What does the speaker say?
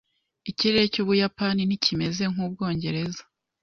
Ikirere cy’Ubuyapani ntikimeze nk'Ubwongereza.